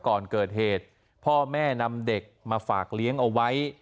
ก่อนเกิดเหตุพ่อแม่นำเด็กมาฝากเลี้ยงเอาไว้